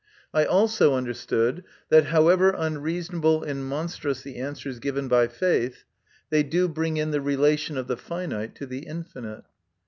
I also understood that, however unreasonable and monstrous the answers given by faith, they do bring in the relation of the finite to the infinite.